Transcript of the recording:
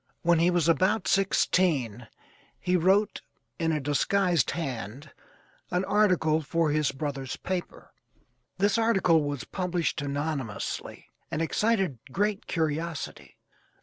When he was about sixteen he wrote, in a disguised hand, an article for his brother's paper. This article was published anonymously, and excited great curiosity.